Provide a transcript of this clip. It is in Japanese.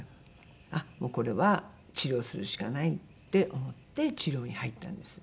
あっもうこれは治療するしかないって思って治療に入ったんです。